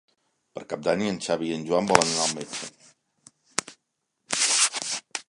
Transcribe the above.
Per Cap d'Any en Xavi i en Joan volen anar al metge.